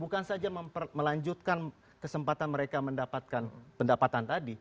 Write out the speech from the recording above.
bukan saja melanjutkan kesempatan mereka mendapatkan pendapatan tadi